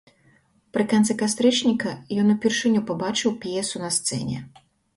Пры канцы кастрычніка ён упершыню пабачыў п'есу на сцэне.